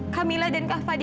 kamila dan kak fadil